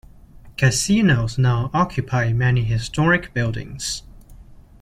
Casinos now occupy many historic buildings.